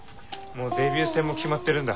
もうデビュー戦も決まってるんだ。